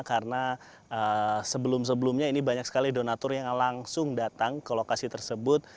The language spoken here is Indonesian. karena sebelum sebelumnya ini banyak sekali donator yang langsung datang ke lokasi tersebut